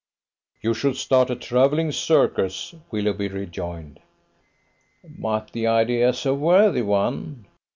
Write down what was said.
"You should start a travelling circus," Willoughby rejoined. "But the idea's a worthy one!